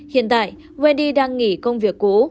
hiện tại wendy đang nghỉ công việc cũ